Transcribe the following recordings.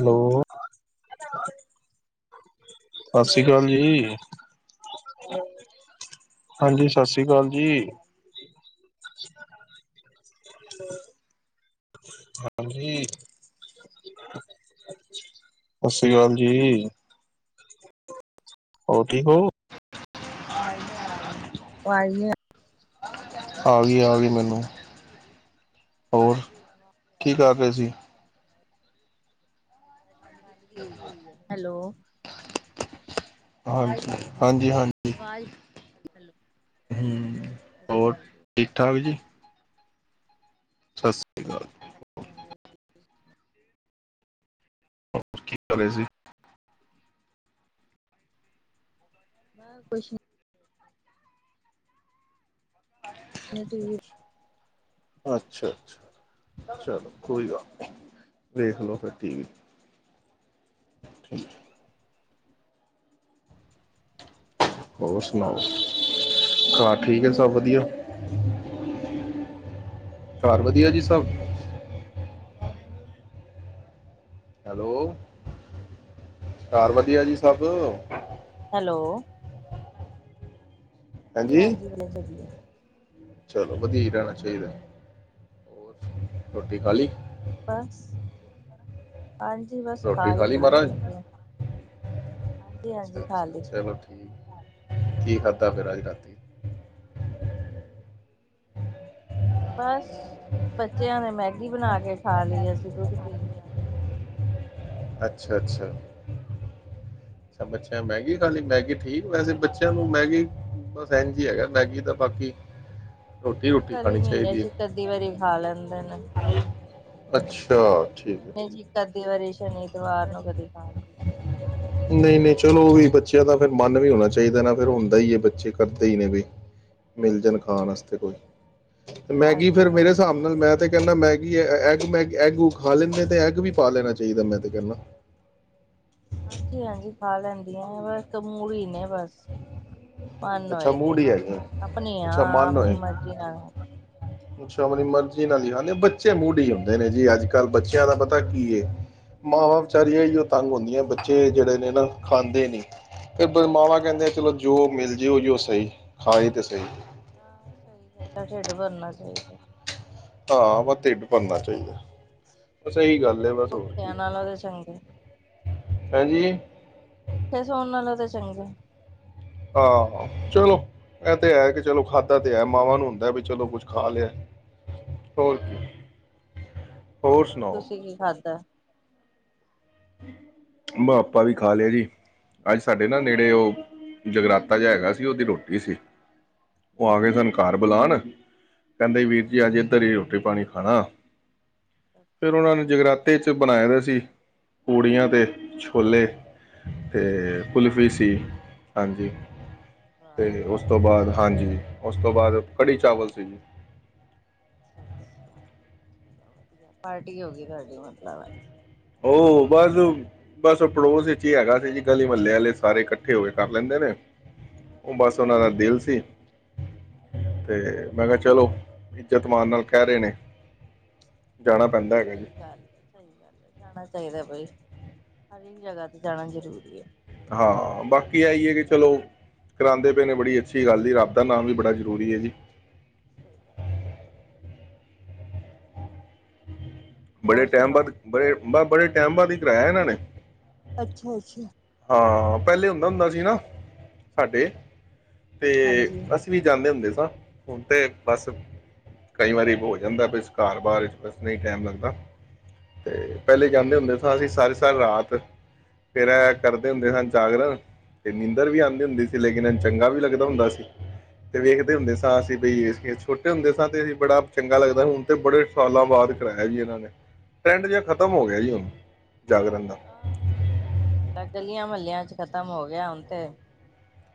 Hello [inaudible] ਸਤਿ ਸ਼੍ਰੀ ਅਕਾਲ ਜੀ ਹਾਂਜੀ ਸਤਿ ਸ਼੍ਰੀ ਅਕਾਲ ਜੀ। ਹਾਂਜੀ ਸਤਿ ਸ੍ਰੀ ਅਕਾਲ ਜੀ ਹੋਰ ਠੀਕ ਹੋ? ਆਵਾਜ਼ ਨੀ ਆ ਗਈ ਆ ਗਈ ਮੈਨੂੰ। ਹੋਰ ਕੀ ਕਰ ਰਹੇ ਸੀ? ਗਲ ਕੀਤੀ ਹੋਈ ਆ ਹੈਲੋ। ਹਾਂਜੀ। ਹਾਂਜੀ ਹਾਂਜੀ ਆਵਾਜ਼ ਹੈਲੋ ਸਤਿ ਸ਼੍ਰੀ ਹੋਰ ਅਕਾਲ ਜੀ ਠੀਕ ਠਾਕ ਜੀ। ਸਤਿ ਸ਼੍ਰੀ ਅਕਾਲ। ਅੱਛਾ ਜੀ। ਕੀ ਕਰ ਰਹੇ ਸੀ। ਮੈਂ ਕੁਛ ਨਹੀਂ। ਮ ਤੁ ਵੀ ਅੱਛਾ ਅੱਛਾ ਚਲੋ ਕੋਈ ਗੱਲ ਨੀ ਵੇਖ ਲਓ ਫਿਰ ਟੀ ਵੀ। ਠੀਕ। ਹੋਰ ਸੁਣਾਓ ਘਰ ਠੀਕ ਹੈ ਸਭ ਵਧੀਆ ਘਰ ਵਧੀਆ ਜੀ ਸਭ? ਅ ਹੈਲੋ ਘਰ ਵਧੀਆ ਜੀ ਸਭ? ਹੈਲੋ। ਹਾਂਜੀ [unintelligible] ਚਲੋ ਵਧੀਆ ਰਹਿਣਾ ਚਾਹੀਦਾ। ਹੋਰ ਰੋਟੀ ਖਾਲੀ? ਬਸ। ਹਾਂਜੀ ਬਸ ਖਾ ਹੀ ਲਈ ਹਾਂਜੀ ਹਾਂਜੀ ਅੱਛਾ ਖਾ ਅੱਛਾ ਲੀ। ਚਲੋ ਠੀਕ ਕੀ ਖਾਧਾ ਫੇਰ ਅੱਜ ਰਾਤੀ? [inaudible] ਬਸ ਬੱਚਿਆਂ ਨੇ ਮੈਗੀ ਬਣਾ ਕੇ ਖਾ ਲਈ ਅਸੀ ਦੁੱਧ ਪੀ ਲਿਆ। ਅੱਛਾ ਅੱਛਾ ਅੱਛਾ ਬੱਚਿਆਂ ਮੈਗੀ ਖਾਲੀ ਮੈਗੀ ਠੀਕ ਵੈਸੇ ਬੱਚਿਆਂ ਨੂੰ ਮੈਗੀ ਬਸ ਇੰਝ ਈ ਹੈਗਾ ਮੈਗੀ ਦਾ ਬਾਕੀ ਰੋਟੀ ਰੋਟੀ ਬਹੁਤਾ ਨਹੀਂ ਖਾਣੀ ਕਦੀ ਮਹੀਨੇ ਚਾਹੀਦੀ ਚ ਹੈ ਇੱਕ ਅੱਧੀ ਵਾਰੀ ਖਾ ਲੈਂਦੇ ਨੇ। ਅੱਛਾ। ਠੀਕ ਹੈ ਮਹੀਨੇ ਚ ਠੀਕ। ਇੱਕ ਅੱਧੀ ਵਾਰੀ ਸ਼ਨੀ ਇਤਵਾਰ ਨੂੰ ਕਦੇ ਖਾਦੀ ਬਣਾ ਕੇ। ਨਹੀਂ ਨਹੀਂ ਚਲੋ ਵੀ ਬੱਚਿਆਂ ਦਾ ਫਿਰ ਮਨ ਵੀ ਹੋਣਾ ਚਾਹੀਦਾ ਨਾ ਫਿਰ ਹੁੰਦਾ ਹੀ ਹੈ ਬੱਚੇ ਕਰਦੇ ਹੀ ਨੇ ਵੀ ਮਿਲ ਜਾਣ ਖਾਣ ਵਾਸਤੇ ਕੋਈ। ਮੈਗੀ ਹਾਂਜੀ ਫੇਰ ਮੇਰੇ ਹਾਂਜੀ ਹਿਸਾਬ ਨਾਲ ਮੈਂ ਤੇ ਮੈਗੀ ਐਗ ਮੈ ਐਗ ਖਾ ਲੈਂਦੇ ਤੇ ਐਗ ਵੀ ਪਾ ਲੈਨਾ ਚਾਹੀਦਾ ਮੈਂ ਤਾਂ ਕਹਿਣਾ। ਹਾਂਜੀ ਹਾਂਜੀ ਖਾ ਲੈਂਦੀਆਂ ਮੂੜੀ ਨੇ ਬਸ। ਮਨ ਅੱਛਾ ਹੋਏ ਤੇ ਮੂਡ ਹੀ ਹੈਗਾ ਆਪਣੀ ਆ ਅੱਛਾ ਮਨ ਆਪਣੀ ਹੋਏ ਮਰਜ਼ੀ ਨਾਲ। ਅੱਛਾ ਆਪਣੀ ਮਰਜੀ ਨਾਲ ਹੀ ਖਾਂਦੇ ਬੱਚੇ ਮੂੜੀ ਹੁੰਦੇ ਨੇ ਜੀ ਅੱਜ ਕੱਲ੍ਹ ਬੱਚਿਆਂ ਦਾ ਪਤਾ ਕੀ ਏ ਮਾਵਾਂ ਵਿਚਾਰੀਆਂ ਇਹੀ ਉਹ ਤੰਗ ਹੁੰਦੀਆਂ ਬੱਚੇ ਜਿਹੜੇ ਨੇ ਨਾ ਖਾਂਦੇ ਨੀ ਫੇਰ ਮਾਵਾਂ ਕਹਿੰਦਿਆਂ ਚਲੋ ਜੋ ਮਿਲ ਜੀਓ ਜੀਓ ਸਹੀ ਖਾਏ ਤਾਂ ਸਹੀ। ਹਾਂ ਸਹੀ ਗੱਲ ਏ ਢਿੱਡ ਭਰਨਾ ਚਾਹੀਦਾ। ਹਾਂ ਢਿੱਡ ਭਰਨਾ ਚਾਹੀਦਾ ਬਸ ਸਹੀ ਗੱਲ ਹੈ ਭੁਖਿਆ ਨਾਲ ਉਹਦੇ ਚੰਗੇ ਭੈਣ ਜੀ ਚੰਗਾ ਹਾਂ ਚਲੋ ਇਹ ਤੇ ਹੈ ਕਿ ਚਲੋ ਖਾਧਾ ਤੇ ਹੈ ਮਾਵਾਂ ਨੂੰ ਹੁੰਦਾ ਵੀ ਚਲੋ ਕੁਛ ਖਾ ਲਿਆ, ਹੋਰ ਕੀ। ਹੋਰ ਤੁਸੀਂ ਕੀ ਖਾਧਾ? ਬਸ ਆਪਾਂ ਵੀ ਖਾ ਲਿਆ ਜੀ, ਅੱਜ ਸਾਡੇ ਨਾ ਨੇੜੇ ਉਹ ਜਗਰਾਤਾ ਜਿਹਾ ਹੈਗਾ ਸੀ, ਉਹਦੀ ਰੋਟੀ ਸੀ। ਉਹ ਆ ਗਏ ਅੱਛਾ ਅੱਛਾ ਸੀ ਅੱਛਾ ਘਰ ਬੁਲਾਉਣ ਕਹਿੰਦੇ ਵੀਰ ਜੀ, ਅਜ ਇੱਧਰ ਹੀ ਰੋਟੀ ਪਾਣੀ ਹੈਣਾ ਫੇਰ ਅੱਛਾ ਉਹਨਾਂ ਨੇ ਅੱਛਾ ਜਗਰਾਤੇ ਚ ਬਣਾਏ ਦਾ ਸੀ ਪੂੜੀਆਂ ਤੇ ਛੋਲੇ। ਤੇ ਅੱਛਾ ਕੁਲਫੀ ਸੀ। ਹਾਂਜੀ। ਵਾਹ ਤੇ ਉਸ ਤੋਂ ਬਾਅਦ, ਹਾਂਜੀ ਉਸ ਤੋਂ ਬਾਅਦ ਕੜੀ ਚਾਵਲ ਸੀ। ਅੱਛਾ ਅੱਛਾ, ਚਲੋ ਵਧੀਆ। ਪਾਰਟੀ ਹੋ ਗਈ ਤੁਹਾਡੀ ਮਤਲਬ ਅੱਜ। ਉਹ ਬਸ, ਬਸ ਪੜੋਸ ਇੱਚ ਈ ਹੈਗਾ ਸੀ। ਜੀ ਗਲੀ ਮਹੱਲੇ ਵਾਲੇ ਸਾਰੇ ਇਕੱਠੇ ਹੋ ਕੇ ਕਰ ਲੈਂਦੇ ਨੇ। ਓਹ ਬਸ ਓਹਨਾਂ ਦਾ ਵਧੀਆ ਦਿਲ ਸੀ ਤੇ ਮੈਂ ਕਿਆ, ਚਲੋ ਇੱਜ਼ਤ ਮਾਨ ਨਾਲ ਕਹਿ ਰਹੇ ਨੇ। ਜਾਣਾ ਪੈਂਦਾ ਨਹੀਂ ਹੈਗਾ ਜੀ ਸਹੀ ਗੱਲ ਐ, ਸਹੀ ਗੱਲ ਐ। ਜਾਣਾ ਚਾਹੀਦਾ ਬਈ, ਹਰੇਕ ਜਗ੍ਹਾ ਤੇ ਜਾਣਾ ਜਰੂਰੀ ਐ। ਹਾਂ, ਬਾਕੀ ਏਹੀ ਹੈ ਕਿ ਚਲੋ ਕਰਾਂਦੇ ਪਏ ਨੇ ਬੜੀ ਅੱਛੀ ਗੱਲ ਈ, ਰੱਬ ਦਾ ਨਾਮ ਵੀ ਬੜਾ ਜ਼ਰੂਰੀ ਐ ਜੀ। ਸਹੀ ਗੱਲ ਐ। ਬੜੇ ਹੋਰ ਟਾਈਮ ਸੁਣਾਓ ਬਾਅਦ, ਬੜੇ ਬਹ ਬੜੇ ਟਾਈਮ ਬਾਅਦ ਈ ਕਰਾਇਆ ਇਹਨਾਂ ਨੇ। ਅੱਛਾ ਅੱਛਾ। ਹਾਂ ਪਹਿਲੇ ਹੁੰਦਾ ਹੁੰਦਾ ਸੀ ਨਾ ਸਾਡੇ। ਤੇ ਹਾਂਜੀ ਅਸੀਂ ਵੀ ਜਾਂਦੇ ਹੁੰਦੇ ਸੀ। ਬ ਹੁਣ ਤੇ ਬਸ ਕਈ ਵਾਰੀ ਹੋ ਜਾਂਦਾ। ਬਸ ਘਰ ਬਾਰ ਵਿੱਚ ਬਸ ਨਹੀਂ ਟਾਈਮ ਲੱਗਦਾ। ਤੇ ਪਹਿਲੇ ਜਾਂਦੇ ਹੁੰਦੇ ਅੱਛਾ ਸਾਂ ਅਸੀਂ ਸਾਰੀ ਸਾਰੀ ਰਾਤ। ਫਿਰ ਏਹ ਕਰਦੇ ਹੁੰਦੇ ਸਨ ਜਾਗਰਣ ਤੇ ਨੀਂਦਰ ਵੀ ਆਂਦੀ ਹੁੰਦੀ ਸੀ, ਲੇਕਿਨ ਹ ਚੰਗਾ ਵੀ ਲੱਗਦਾ ਹੁੰਦਾ ਸੀ। ਤੇ ਵੇਖਦੇ ਹੁੰਦੇ ਸਾਂ, ਅੱਛਾ ਅਸੀ ਬਈ ਇਸ ਛੋਟੇ ਹੁੰਦੇ ਸਾਂ ਤੇ ਅਸੀਂ ਬੜਾ ਚੰਗਾ ਲੱਗਦਾ। ਹੁਣ ਤੇ ਬੜੇ ਸਾਲਾਂ ਬਾਅਦ ਕਰਾਇਆ ਜੀ ਇਹਨਾਂ ਨੇ। ਟਰੈਂਡ ਜਿਹਾ ਖਤਮ ਹੋ ਗਿਆ ਜੀ ਹੁਣ ਜਾਗਰਣ ਦਾ ਆਹ ਸਹੀ ਗੱਲ ਏ, ਗਲ ਲੀਆਂ, ਮਹੱਲਿਆਂ ਚ ਖਤਮ ਹੋ ਗਿਆ ਹੁਣ ਤੇ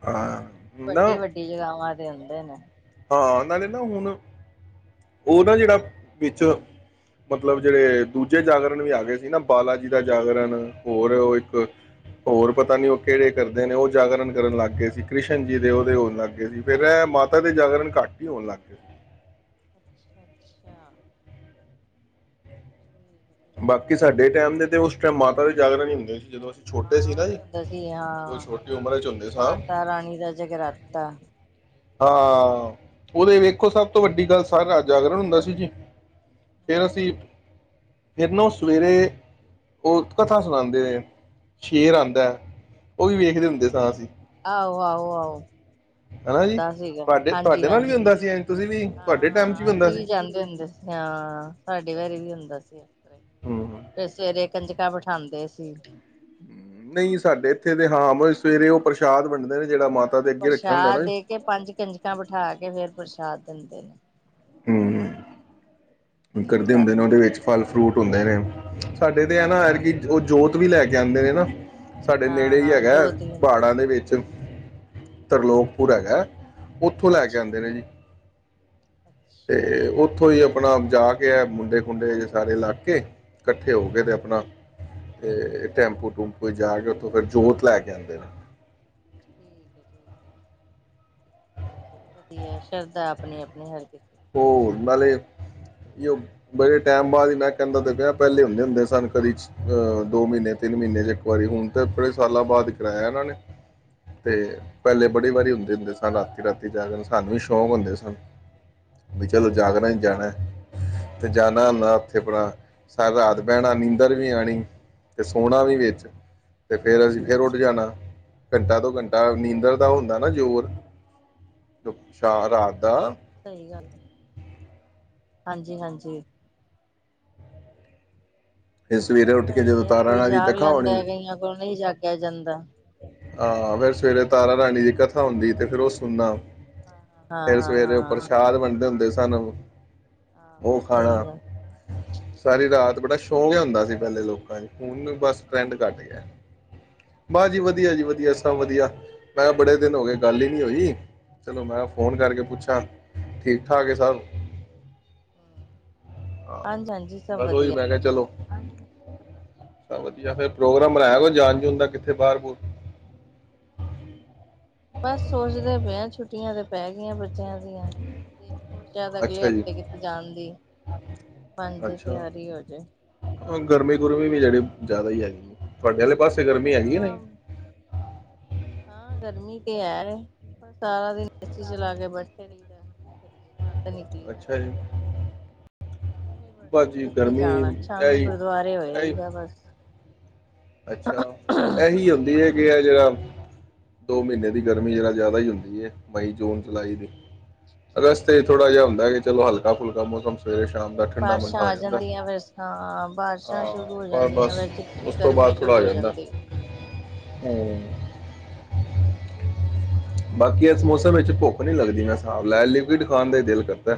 ਆਂ ਵੱਡੀ, ਵੱਡੀ ਜਗ੍ਹਾਵਾਂ ਕਰੋਂਦੇ ਨੇ ਹਾਂ, ਨਾਲੇ ਨਾ ਹੁਣ ਉਹ ਨਾ ਜਿਹੜਾ, ਵਿੱਚ, ਮਤਲਬ ਜਿਹੜੇ ਦੂਜੇ ਜਾਗਰਣ ਵੀ ਆ ਗਏ ਸੀ, ਨਾ ਬਾਲਾ ਜੀ ਦਾ ਜਾਗਰਣ, ਹੋਰ ਉਹ ਇੱਕ ਹੋਰ ਪਤਾ ਨੀ ਉਹ ਕਿਹੜੇ ਕਰਦੇ ਨੇ ਉਹ ਜਾਗਰਣ ਕਰਨ ਲੱਗ ਗਏ ਸੀ। ਕ੍ਰਿਸ਼ਨ ਜੀ ਦੇ, ਉਹਦੇ ਹੋਣ ਲੱਗ ਗਏ ਸੀ, ਫਿਰ ਏਹ ਮਾਤਾ ਦੇ ਜਾਗਰਣ ਘੱਟ ਹੀ ਹੋਣ ਲੱਗ ਗਏ। ਅੱਛਾ ਅੱਛਾ। ਬਾਕੀ ਸਾਡੇ ਟਾਈਮ ਦੇ ਤੇ, ਉਸ ਟਾਈਮ ਬਾਅਦ ਓਈ ਜਾਗਰਣ ਹੁੰਦੇ ਸੀ। ਜਦੋਂ ਅਸੀਂ ਛੋਟੇ ਹਾਂ ਸੀ ਨਾ ਜੀ ਉਹੀ ਹੁੰਦਾ ਸੀ ਜਦੋਂ ਹਾਂ, ਛੋਟੀ ਉਮਰ ਚ ਹੁੰਦੇ ਸਾਂ ਮਾਤਾ ਰਾਣੀ ਦਾ ਜਗਰਾਤਾ। ਹਾਂ ਉਹਦੇ ਵੇਖੋ ਸਭ ਤੋਂ ਵੱਡੀ ਗੱਲ ਸਾਰੀ ਰਾਤ ਜਾਗਰਣ ਹੁੰਦਾ ਸੀ ਜੀ, ਫਿਰ ਅਸੀਂ, ਫਿਰ ਨਾ ਸਵੇਰੇ ਉਹ ਕਥਾ ਸੁਣਾਂਦੇ ਐ, ਸ਼ੇਰ ਆਂਦਾ ਐ। ਉਹ ਵੀ ਵੇਖਦੇ ਹੁੰਦੇ ਸਾਂ ਅਸੀਂ, ਹਮ ਆਹੋ ਹਨਾ ਜੀ। ਦਾ ਸੀਗਾ। ਤੁਹਾਡੇ ਹਾਂਜੀ, ਤੁਹਾਡੇ ਨਾਲ ਵੀ ਹਾਂਜੀ। ਹੁੰਦਾ ਸੀ ਐਂ ਤੁਸੀਂ ਵੀ ਹਾਂ, ਤੁਹਾਡੇ ਟਾਈਮ 'ਚ ਹਾਂ ਹੁੰਦਾ ਅਸੀਂ ਸੀ ਵੀ ਜਾਂਦੇ ਹੁੰਦੇ ਸੀ, ਹਾਂ ਸਾਡੇ ਵਾਰੀ ਵੀ ਹੁੰਦਾ ਹੁੰਦਾ ਸੀਗਾ। ਹੂੰ ਫੇਰ ਸਵੇਰੇ ਕੰਜਕਾ ਬਿਠਾਂਦੇ ਸੀ। ਨਹੀਂ ਸਾਡੇ ਇੱਥੇ ਤੇ ਹਾਂ ਸਵੇਰੇ ਉਹ ਪ੍ਰਸ਼ਾਦ ਵੰਡਦੇ ਨੇ ਜਿਹੜਾ ਮਾਤਾ ਹਾਂ, ਦੇ ਅੱਗੇ ਰੱਖਿਆ ਹੁੰਦਾ ਨਾ ਪ੍ਰਸ਼ਾਦ ਜੀ ਦੇ ਕੇ ਪੰਜ ਕੰਜਕਾਂ ਬਿਠਾ ਕੇ ਫੇਰ ਪ੍ਰਸ਼ਾਦ ਦਿੰਦੇ ਨੇ। ਹਮ ਸਵੇਰੇ ਕਰਦੇ ਹੁੰਦੇ ਨੇ ਸੱਤ ਉਹਦੇ ਵਿੱਚ ਵਜੇ ਫਲ ਫਰੂਟ ਹੁੰਦੇ ਨੇ ਸਾਡੇ ਹਾਂ ਤੇ, ਏ ਹਾਂ ਨਾ ਹਾਂ ਐਤਕੀ ਉਹ ਜੋਤ ਓਵੀ ਲੈ ਕੇ ਆਉਂਦੇ ਨੇ ਨਾ ਸਾਡੇ ਹਾਂ ਨੇੜੇ ਹੀ ਹਾਂ ਹੈਗਾ, ਜੋਤ ਵੀ ਪਹਾੜਾਂ ਹੁੰਦੀ ਦੇ ਹੈ ਵਿੱਚ ਤਰਲੋਕ ਪੂਰ ਹੈਗਾ। ਉੱਥੋਂ ਲੈ ਕੇ ਅੱਛਾ ਆਉਂਦੇ ਨੇ ਜੀ। ਤੇ ਅੱਛਾ ਉੱਥੋਂ ਹੀ ਆਪਣਾ ਜਾ ਕੇ ਆ ਮੁੰਡੇ ਖੁੰਡੇ ਸਾਰੇ ਲੱਗ ਕੇ ਇਕੱਠੇ ਹੋ ਕੇ ਅਤੇ ਹਮ ਆਪਣਾ ਟੈਂਪੂ ਟੂਪੂ ਜਾ ਕੇ ਉੱਥੋਂ ਫਿਰ ਜੋਤ ਲੈ ਕੇ ਆਉਂਦੇ ਨੇ ਠੀਕ ਹੈ, ਠੀਕ ਹੈ ਵਧੀਆ ਸ਼ਰਧਾ ਆਪਣੀ, ਆਪਣੀ ਹਰ ਕਿਸੇ ਉਹ ਨਾਲੇ ਜਓ ਬੜੇ ਟਾਈਮ ਬਾਅਦ ਹੀ ਮੈਂ ਕਹਿੰਦਾ ਤੇ ਪਹਿਲੇ ਹੁੰਦੇ ਹੁੰਦੇ ਸਨ ਕਦੀ ਦੋ ਮਹੀਨੇ ਤਿੰਨ ਮਹੀਨੇ ' ਇੱਕ ਵਾਰੀ ਹੁਣ ਤਾਂ ਬੜੇ ਸਾਲਾਂ ਬਾਅਦ ਕਰਾਇਆ ਇਹਨਾਂ ਨੇ ਤੇ, ਪਹਿਲੇ ਬੜੀ ਵਾਰੀ ਹੁੰਦੇ, ਹੁੰਦੇ ਸਨ ਰਾਤੀ, ਰਾਤੀ ਜਾਗਰਣ ਸਾਨੂੰ ਵੀ ਸ਼ੌਕ ਹੁੰਦੇ ਸਨ। ਬਈ ਚਲੋ ਜਾਗਰਣ ਜਾਣਾ। ਤੇ ਜਾਣਾ ਹੁੰਦਾ ਉੱਥੇ ਆਪਣਾ ਸਾਰੀ ਰਾਤ ਬਹਿਣਾ ਨੀਂਦਰ ਵੀ ਆਉਣੀ। ਤੇ ਸੋਨਾ ਵੀ ਵਿੱਚ ਤੇ ਫਿਰ ਅਸੀਂ ਫਿਰ ਉੱਠ ਜਾਣਾ। ਘੰਟਾ ਦੋ ਘੰਟਾ ਨੀਂਦਰ ਦਾ ਹੁੰਦਾ ਨਾ ਜ਼ੋਰ ਰਾਤ ਦਾ ਸਹੀ ਗੱਲ ਹੈ। ਹਾਂਜੀ, ਹਾਂਜੀ ਫਿਰ ਸਵੇਰੇ ਉੱਠ ਕੇ ਜਦੋਂ ਸਹੀ ਹੈ ਤਾਰਾ ਕੋਈ ਰਾਣੀ ਦੀ ਜਾਗ ਕਥਾ ਹੋਣੀ ਲੈਂਦਾ ਕਈਆਂ ਕੋਲ ਨਹੀਂ ਜਾਗਿਆ ਜਾਂਦਾ [unintelligible] ਹਾਂ ਫਿਰ ਸਵੇਰੇ ਤਾਰਾ ਰਾਣੀ ਦੀ ਕਥਾ ਹੁੰਦੀ ਤੇ ਫਿਰ ਉਹ ਸੁਣਨਾ ਹਾਂ ਹਾਂ ਫਿਰ ਹਾਂ ਸਵੇਰੇ ਉ ਹਾਂ ਪ੍ਰਸ਼ਾਦ ਵੰਡ ਦੇ ਹੁੰਦੇ ਸੀ ਸੰਨ ਓਹ ਉਹ ਆਹੋ ਸਹੀ ਖਾਣਾ ਗੱਲ ਸਾਰੀ ਰਾਤ ਬੜਾ ਸ਼ੋਂਕ ਹੁੰਦਾ ਸੀ ਪਹਿਲੇ ਲੋਕਾਂ ਚ ਹੁਣ ਹੋਰ ਬਸ ਸੁਣਾਓ ਟਰੈਂਡ ਘੱਟ ਗਿਆ ਬਸ ਜੀ ਵਧੀਆ ਜੀ ਵਧੀਆ ਸਭ ਵਧੀਆ ਮੈਂ ਕਿਹਾ ਬੜੇ ਦਿਨ ਹੋ ਗਏ ਗੱਲ ਹੀ ਨੀ ਹੋਈ ਚਲੋ ਮੈਂ ਫੋਨ ਕਰਕੇ ਪੁੱਛਾਂ ਠੀਕ ਠਾਕ ਹੈ ਸਭ ਹਾਂ ਹਾਂਜੀ ਹਾਂਜੀ ਸਭ ਬਸ ਓਹੀ ਵਧੀਆ ਮੈਂ ਕਿਹਾ ਚਲੋ ਸਭ ਵਧੀਆ ਫਿਰ ਪ੍ਰੋਗਰਾਮ ਬਣਾਇਆ ਹੋਰ ਜਾਣ ਜੂਣ ਦਾ ਬਾਹਰ ਬੁਰ ਬਸ ਸੋਚਦੇ ਪਏ ਹਾ ਛੁੱਟੀਆਂ ਤੇ ਪੈ ਗਈਆਂ ਬੱਚਿਆਂ ਦੀਆਂ, ਹੋਰ ਸ਼ਾਇਦ ਅਗਲੇ ਅੱਛਾ ਜੀ ਹਫ਼ਤੇ ਕਿਤੇ ਜਾਣ ਦੀ ਬਣ ਜੇ ਅੱਛਾ ਤਿਆਰੀ ਹੋਜੇ, ਗਰਮੀ ਗੁਰਮੀ ਵੀ ਜਿਹੜੀ ਜ਼ਿਆਦਾ ਹੀ ਹੈਗੀ ਤੁਹਾਡੇ ਵਾਲੇ ਪਾਸੇ ਗਰਮੀ ਹੈਗੀ ਹੈ ਹਾਂ ਨਹੀਂ ਹਾਂ ਗਰਮੀ ਤੇ ਹੈ ਸਾਰਾ ਦਿਨ ਚ ਏਸੀ ਚਲਾ ਕੇ ਬੈਠੇ ਰਹਨੇ ਆ ਕੀ ਕਰੀਏ। ਨਿਕਲੀ ਤਾਂ ਨੀ, ਅੱਛਾ ਜੀ ਬੜੀ ਬਸ ਜੀ ਕਿੱਥੇ ਗਰਮੀ ਜਾਣਾ ਸ਼ਾਮੀ ਐਹੀ ਗੁਰਦੁਆਰੇ ਹੋ ਐਹੀ ਆਈ ਦਾ ਬਸ ਅੱਛਾ ਇਹੀ ਹੁੰਦੀ ਹੈ। ਜਿਹੜਾ ਦੋ ਮਹੀਨੇ ਦੀ ਗਰਮੀ ਜਿਹੜਾ ਜ਼ਿਆਦਾ ਹੀ ਹੁੰਦੀ ਹੈ ਮਈ ਜੂਨ ਜੁਲਾਈ ਦੀ ਰਸਤੇ ਚ ਥੋੜਾ ਜਿਹਾ ਹੁੰਦਾ ਕਿ ਚਲੋ ਹਲਕਾ ਫੁਲਕਾ ਮੌਸਮ ਸਵੇਰੇ ਸ਼ਾਮ ਦਾ ਠੰਡਾ ਬਾਰਸ਼ਾਂ ਮੰਠਾ ਹੋ ਆ ਜਾਂਦਾ ਜਾਂਦੀਆਂ ਵੈਸ ਹਾਂ ਬਾਰਿਸ਼ਾਂ ਸ਼ੁਰੂ ਹੋ ਜਾਂਦੀਆਂ ਵੈਸ ਚਿਪ ਚਿਪ ਗਰਮੀ ਸ਼ੁਰੂ ਥੋੜ੍ਹਾ ਹੋ ਜਾਂਦਾ ਜਾਂਦੀ ਐ। ਬਾਕੀ ਇਸ ਮੌਸਮ ਵਿੱਚ ਭੁੱਖ ਨੀ ਲੱਗਦੀ ਹਿਸਾਬ ਲੈ ਲਿਕੁਿਡ ਖਾਣ ਦਾ ਦਿਲ ਕਰਦਾ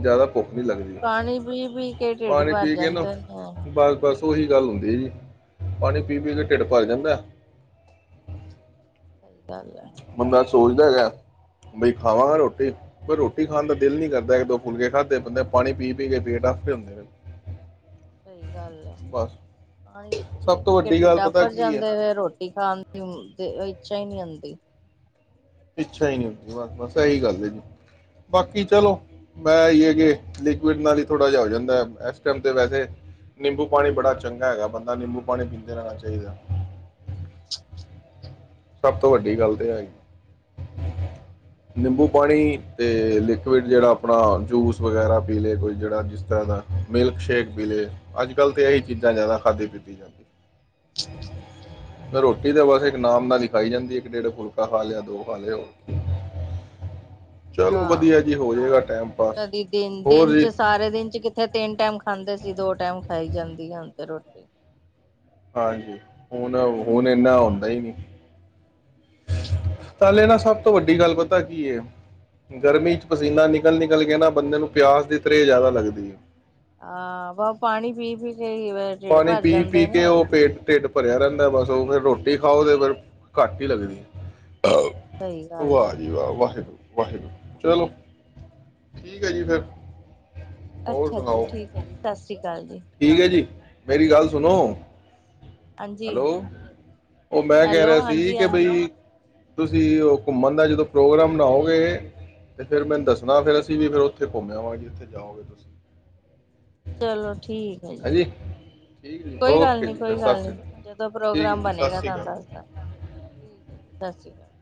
ਜ਼ਿਆਦਾ, ਭੁੱਖ ਨਹੀਂ ਲੱਗਦੀ ਪਾਣੀ ਪੀ-ਪੀ ਕੇ ਢਿੱਡ ਪਾਣੀ ਭਰ ਪੀ ਕੇ ਨਾ ਜਾਂਦੇ ਨੇ, ਬਸ ਬਸ ਉਹੀ ਗੱਲ ਹੁੰਦੀ ਹੈ ਜੀ, ਪਾਣੀ ਪੀ-ਪੀ ਕੇ ਢਿੱਡ ਪਰ ਜਾਂਦਾ। ਸਹੀ, [unintelligible] ਕੁ ਹੋਗਿਆ ਬਈ ਖਾਵਾਂਗਾ ਰੋਟੀ ਪਰ ਰੋਟੀ ਖਾਣ ਦਾ ਦਿਲ ਨੀ ਕਰਦਾ ਇੱਕ ਦੋ ਖਾਧੇ ਬੰਦਾ ਹਾਂ ਪਾਣੀ ਪੀ ਪੀ ਕੇ, ਰੀਡਫ, ਨੇ ਸਹੀ ਗੱਲ ਹੈ ਬਸ ਪਾਣੀ ਸਭ ਤੋਂ ਪੀ-ਪੀ ਕੇ ਵੱਡੀ ਢਿੱਡ ਗੱਲ ਪਤਾ ਆਫਰ ਕੀ ਹੈ ਜਾਂਦੇ ਹੋਏ ਰੋਟੀ ਖਾਣ ਦੀ ਇੱਛਾ ਹੀ ਨੀ ਹੁੰਦੀ। ਦੀ, ਇੱਛਾ ਹੀ ਨੀ ਹੁੰਦੀ ਬਸ ਬਸ ਇਹੀ ਗੱਲ ਹੈ ਜੀ ਬਾਕੀ ਚਲੋ ਮੈਂ ਹੈ ਕਿ ਲਿਕੁਇਡ ਨਾਲ ਹੀ ਥੋੜ੍ਹਾ ਜਿਹਾ ਹੋ ਜਾਂਦਾ ਇਸ ਟਾਈਮ ਤੇ ਵੈਸੇ ਨਿੰਬੂ ਪਾਣੀ ਬੜਾ ਚੰਗਾ ਹੈਗਾ ਬੰਦਾ ਨਿੰਬੂ ਪਾਣੀ ਪੀਂਦੇ ਰਹਿਣਾ ਚਾਹੀਦਾ। ਸਭ ਤੋਂ ਵੱਡੀ ਗੱਲ ਤਾਂ ਹੈ ਨਿੰਬੂ ਪਾਣੀ ਤੇ ਲਿਕੁਇਡ ਜਿਹੜਾ ਆਪਣਾ ਜੂਸ ਵਗੈਰਾ ਪੀ ਲਏ ਕੋਈ ਜਿਹੜਾ ਜਿਸ ਤਰ੍ਹਾਂ ਦਾ ਮਿਲਕ ਸ਼ੇਕ ਪੀ ਲਏ ਅੱਜ ਕੱਲ੍ਹ ਤਾਂ ਇਹੀ ਚੀਜ਼ਾਂ ਜ਼ਿਆਦਾ ਖਾਦੀ ਪੀਤੀ ਜਾਂਦੀ ਫੇਰ ਰੋਟੀ ਦਾ ਬਸ ਇੱਕ ਨਾਮ ਨਾਲ ਹਾਜੀ ਇੱਕ ਡੇਢ ਫੁਲਕਾ ਖਾ ਲਿਆ ਦੋ ਖਾ ਲਿਐ। ਹਾਂ ਪਾਸ ਕਦੀ ਹੋਰ ਦਿਨ-ਦਿਨ ਜੀ ਚ ਸਾਰੇ ਦਿਨ ਚ ਕਿਥੇ ਤਿੰਨ ਟੈਮ ਖਾਂਦੇ ਸੀ ਦੋ ਟਾਈਮ ਖਾਈ ਜਾਂਦੀ ਹਨ ਤੇ ਰੋਟੀ ਹਾਂਜੀ, ਹੁਣ-ਹੁਣ ਇਨਾ ਆਦਾ ਹੀ ਨੀ ਪੱਲੇ ਨਾ ਸਭ ਤੋਂ ਵੱਡੀ ਗੱਲ ਪਤਾ ਕੀ ਹੈ ਗਰਮੀ ਚ ਪਸੀਨਾ ਨਿਕਲ-ਨਿਕਲ ਕੇ ਨਾ ਬੰਦੇ ਨੂੰ ਪਿਆਸ ਦੀ ਤਰੇ ਜ਼ਿਆਦਾ ਲੱਗਦੀ ਹੈ। ਹਾਂ ਬਸ ਪਾਣੀ ਪੀ-ਪੀ, ਪਾਣੀ ਪੀ-ਪੀ ਕੇ ਉਹ ਕੀ ਪੇਟ ਢਿਡ ਭਰਿਆ ਰਹਿੰਦਾ। ਬਸੋ ਫਿਰ ਰੋਟੀ ਖਾਓ ਫੇਰ ਘੱਟ ਹੀ ਲੱਗਣੀ ਐ। ਸਹੀ ਗੱਲ ਹੈ ਵਾਹ ਜੀ ਵਾਹ ਵਾਹਿਗੁਰੂ, ਵਾਹਿਗੁਰੂ ਚਲੋ ਠੀਕ ਹੈ ਜੀ ਫਿਰ, ਹੋਰ ਅੱਛਾ ਜੀ ਸੁਣਾਓ ਠੀਕ ਹੈ ਜੀ ਸਤਿ ਸ਼੍ਰੀ ਅਕਾਲ ਜੀ ਠੀਕ ਹੈ ਜੀ ਮੇਰੀ ਗੱਲ ਸੁਣੋ ਹਾਂਜੀ ਹੈਲੋ ਉਹ ਮੈਂ ਕਹਿ ਹੈਲੋ ਰਿਹਾ ਸੀ ਹਾਂਜੀ ਕਿ ਹਾਂਜੀ ਬਈ ਤੁਸੀਂ ਉਹ ਘੁੰਮਣ ਦਾ ਜਦੋਂ ਪ੍ਰੋਗਰਾਮ ਬਣਾਓਗੇ ਤੇ ਫਿਰ ਮੈਨੂੰ ਦੱਸਣਾ ਫਿਰ ਅਸੀਂ ਵੀ ਫਿਰ ਉੱਥੇ ਘੁੰਮਿਆਵਾਂਗੇ ਜਿੱਥੇ ਜਾਓਗੇ ਤੁਸੀਂ ਚਲੋ ਠੀਕ ਹੈ ਜੀ ਠੀਕ ਜੀ ਕੋਈ ਗੱਲ ਓਕੇ ਨੀ ਜੀ ਫਿਰ ਕੋਈ ਗੱਲ ਸਤਿ ਸ਼੍ਰੀ ਨੀ ਅਕਾਲ ਜਦੋਂ ਠੀਕ ਪ੍ਰੋਗਰਾਮ ਹੈ ਜੀ ਸਤਿ ਬਣੇਗਾ ਸ਼੍ਰੀ ਤੁਹਾਨੂੰ ਅਕਾਲ ਦੱਸਦਾ ਠੀਕ ਹੈ ਜੀ ਸਤਿ ਸ਼੍ਰੀ ਅਕਾਲ